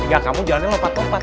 ya kamu jalannya lompat lompat